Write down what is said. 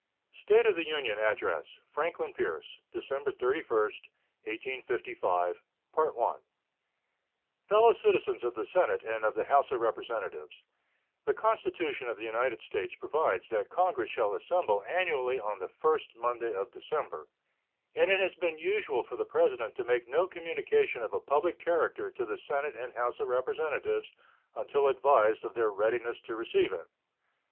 State of the Union Address Franklin Pierce December 31, 1855 Fellow Citizens of the Senate and of the House of Representatives: The Constitution of the United States provides that Congress shall assemble annually on the first Monday of December, and it has been usual for the President to make no communication of a public character to the Senate and House of Representatives until advised of their readiness to receive it.